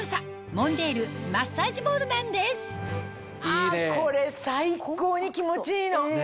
あこれ最高に気持ちいいの！